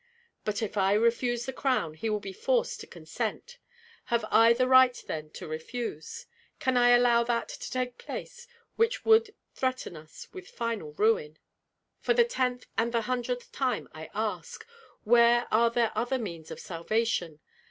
But if I refuse the crown, he will be forced to consent. Have I the right, then, to refuse? Can I allow that to take place which would threaten us with final ruin? For the tenth and the hundredth time I ask, Where are there other means of salvation?